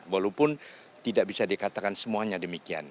walaupun tidak bisa dikatakan semuanya demikian